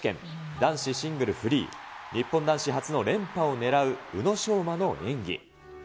男子シングルフリー、日本男子初の連覇をねらう宇野昌磨の演技。